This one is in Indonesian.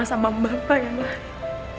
sama bapak yang lain